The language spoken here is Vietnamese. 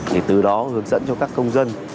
để từ đó hướng dẫn cho các công dân